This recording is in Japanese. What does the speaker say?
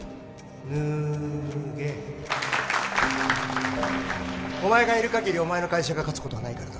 脱げお前がいるかぎりお前の会社が勝つことはないからな。